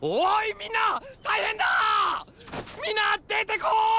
みんな出てこーい！